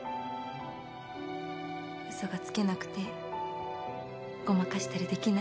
嘘がつけなくてごまかしたりできない。